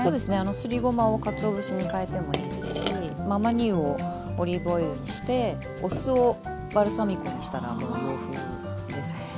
すりごまをかつお節に替えてもいいですし亜麻仁油をオリーブオイルにしてお酢をバルサミコにしたら洋風ですよね。